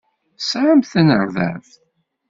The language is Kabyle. Tesɛamt tanerdabt?